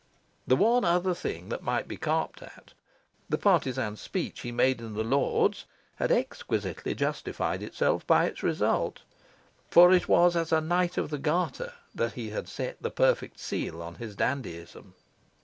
The one other thing that might be carped at the partisan speech he made in the Lords had exquisitely justified itself by its result. For it was as a Knight of the Garter that he had set the perfect seal on his dandyism.